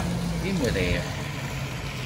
Imriɣ.